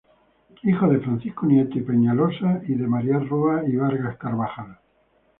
Hijo de Francisco Nieto y Peñalosa, y de María Roa y Vargas Carbajal.